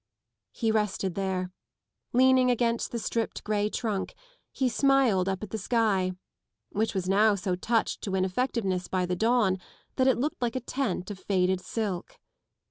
He rested there. Leaning against the stripped grey trunk, he smiled up at the sky, which was now so touched to ineffectiveness by the dawn that it looked like a tent of faded silk.